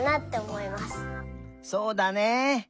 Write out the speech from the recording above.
そうだね。